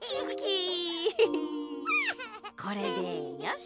これでよし！